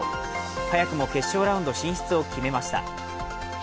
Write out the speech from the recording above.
早くも決勝ラウンド進出を決めました。